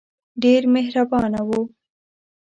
ډېر مهربانه وو.